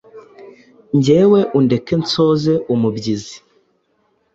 njyewe undeke nsoze umubyizi